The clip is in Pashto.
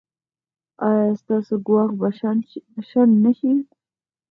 ایا ستاسو ګواښ به شنډ نه شي؟